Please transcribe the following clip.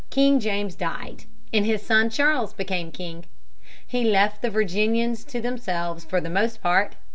In 1625 King James died, and his son Charles became king. He left the Virginians to themselves for the most part.